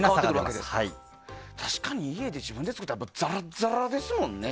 確かに家で自分で作ったらざらっざらですもんね。